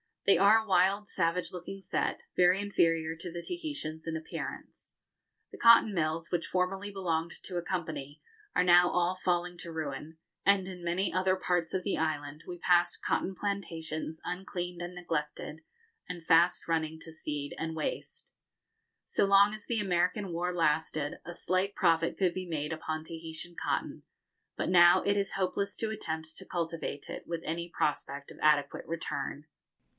They are a wild, savage looking set, very inferior to the Tahitians in appearance. The cotton mills, which formerly belonged to a company, are now all falling to ruin; and in many other parts of the island we passed cotton plantations uncleaned and neglected, and fast running to seed and waste. So long as the American war lasted, a slight profit could be made upon Tahitian cotton, but now it is hopeless to attempt to cultivate it with any prospect of adequate return.